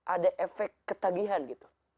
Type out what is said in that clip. ada efek ketagihan gitu